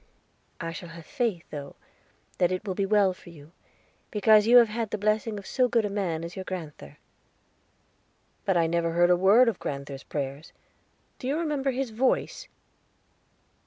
"I shall have faith, though, that it will be well with you, because you have had the blessing of so good a man as your grand'ther." "But I never heard a word of grand'ther's prayers. Do you remember his voice?"